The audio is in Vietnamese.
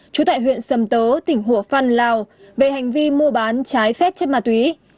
trú tại huyện sầm tớ tỉnh hùa phan lào về hành vi mua bán trái phép chất ma túy